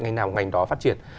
ngành nào ngành đó phát triển